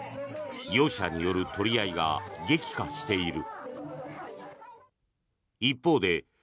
業者による取り合いが激化している。